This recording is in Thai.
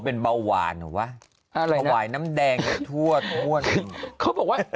เป็นเบาหวานหรือวะอะไรน่ะวายน้ำแดงอยู่ทั่วทั่วนี่เขาบอกว่า